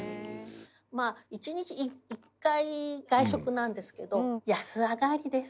まあ１日１回外食なんですけど安上がりです。